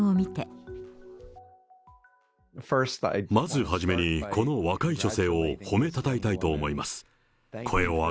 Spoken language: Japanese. まず初めに、この若い女性を褒めたたえたいと思います。